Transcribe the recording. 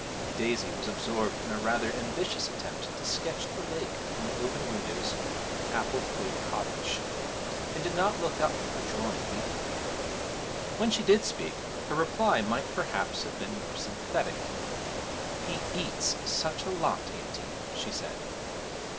Daisy was absorbed in a rather ambitious attempt to sketch the lake from the open windows of Applethwaite Cottage, and did not look up from her drawing immediately. When she did speak her reply might perhaps have been more sympathetic. 'He eats such a lot, auntie!' she said.